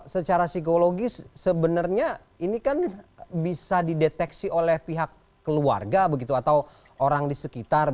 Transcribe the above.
secara psikologis sebenarnya ini kan bisa dideteksi oleh pihak keluarga begitu atau orang di sekitar